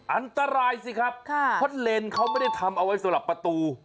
อันตรายสิครับเพราะเลนเขาไม่ได้ทำเอาไว้สำหรับประตู